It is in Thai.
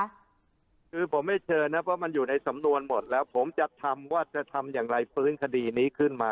คือผมไม่เชิญนะเพราะมันอยู่ในสำนวนหมดแล้วผมจะทำว่าจะทำอย่างไรฟื้นคดีนี้ขึ้นมา